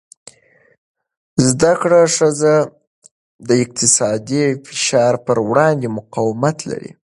زده کړه ښځه د اقتصادي فشار پر وړاندې مقاومت لري.